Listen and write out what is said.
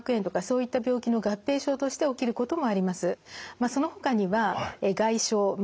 まあそのほかには外傷まあ